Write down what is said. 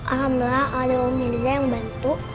alhamdulillah ada om mirza yang bantu